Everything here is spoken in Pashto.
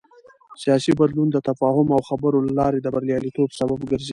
سیاسي بدلون د تفاهم او خبرو له لارې د بریالیتوب سبب ګرځي